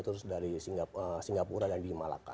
terus dari singapura dan di malaka